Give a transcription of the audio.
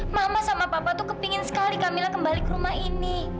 mama sama papa tuh kepingin sekali camilla kembali ke rumah ini